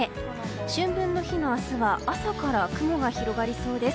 春分の日の明日は朝から雲が広がりそうです。